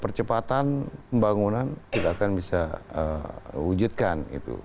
percepatan pembangunan kita akan bisa wujudkan